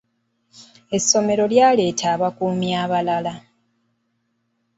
Essomero lyaleeta abakuumi abalala.